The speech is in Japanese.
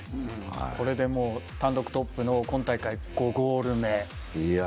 これで単独トップの今大会５ゴール目。